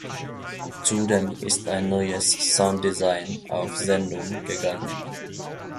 Zudem ist ein neues Sounddesign auf Sendung gegangen.